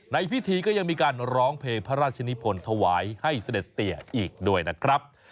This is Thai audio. ในพิธีก็ยังมีการร้องเพลงพระราชนิพลถวายให้เสด็จเตียอีกด้วยนะครับ